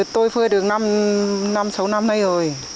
tôi phơi được năm sáu năm nay rồi